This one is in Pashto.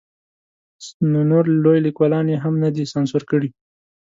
نو نور لوی لیکوالان یې هم نه دي سانسور کړي.